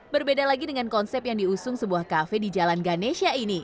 berbeda lagi dengan konsep yang diusung sebuah kafe di jalan ganesha ini